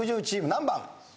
何番？